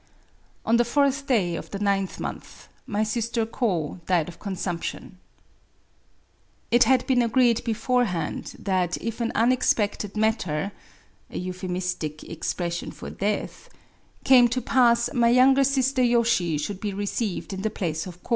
... On the fourth day of the ninth month my sister Ko died of consumption. — It had been agreed beforehand that if an unexpected matter^ came to pass, my younger sister Yoshi should be received in the place of Kd.